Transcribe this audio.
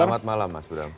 selamat malam mas budam